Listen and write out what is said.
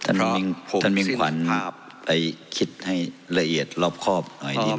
ท่านมิ่งควันไปคิดให้ละเอียดรอบคอบหน่อยดีไหมครับ